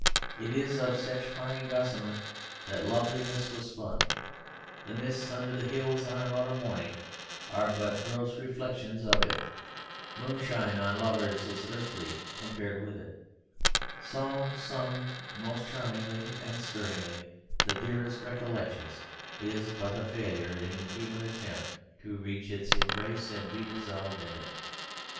It is of such fine gossamer that loveliness was spun, the mists under the hills on an autumn morning are but gross reflections of it; moonshine on lovers is earthy compared with it; song sung most charmingly and stirring the dearest recollections is but a failure in the human attempt to reach its embrace and be dissolved in it.